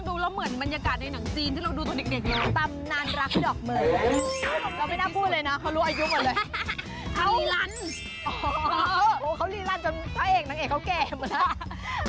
รู้อายุหมดเลยเขาลีรันอ๋อเขาลีรันจนพ่อเอกนางเอกเขาแก่หมดแล้ว